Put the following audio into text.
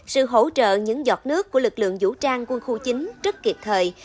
sự hỗ trợ những giọt nước của lực lượng vũ trang quân khu chín rất kịp thời